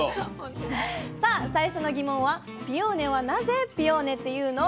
さあ最初のギモンは「ピオーネはなぜ『ピオーネ』っていうの？」。